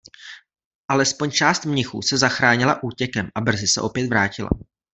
Alespoň část mnichů se zachránila útěkem a brzy se opět vrátila.